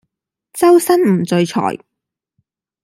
周身唔聚財